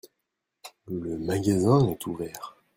Le magasin est ouvert.